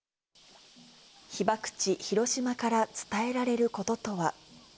被爆地、広島から伝えられることとは。